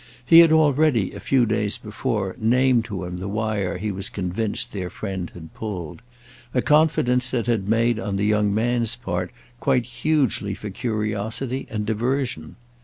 He had already, a few days before, named to him the wire he was convinced their friend had pulled—a confidence that had made on the young man's part quite hugely for curiosity and diversion.